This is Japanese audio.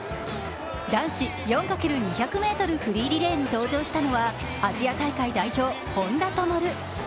男子４×４００ｍメドレーリレーに登場したのはアジア大会代表・本多灯。